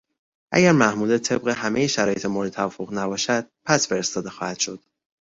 اگر محموله طبق همهی شرایط مورد توافق نباشد پس فرستاده خواهد شد.